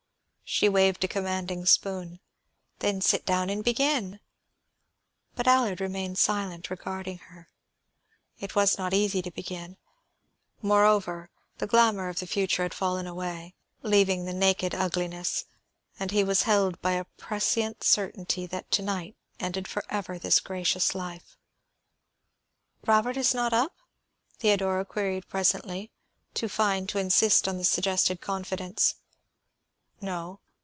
She waved a commanding spoon. "Then sit down and begin." But Allard remained silent, regarding her. It was not easy to begin. Moreover, the glamour of the future had fallen away, leaving the naked ugliness; and he was held by a prescient certainty that to night ended for ever this gracious life. [Illustration: Allard remained silent, regarding her.] "Robert is not up?" Theodora queried presently, too fine to insist on the suggested confidence. "No.